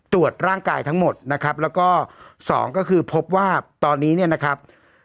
ตรวจร่างกายทั้งหมดนะครับแล้วก็สองก็คือพบว่าตอนนี้เนี่ยนะครับ